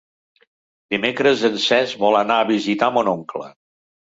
Dimecres en Cesc vol anar a visitar mon oncle.